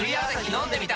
飲んでみた！